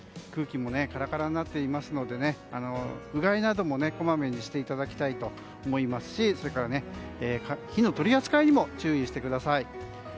空気もカラカラになっていますのでうがいなどもこまめにしていただきたいと思いますしそれから火の取り扱いにも注意してください。